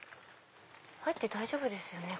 入って大丈夫ですよね